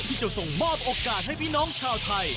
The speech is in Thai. ที่จะส่งมอบโอกาสให้พี่น้องชาวไทย